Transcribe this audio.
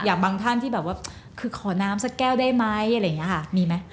บางท่านที่แบบว่าคือขอน้ำสักแก้วได้ไหมอะไรอย่างนี้ค่ะมีไหม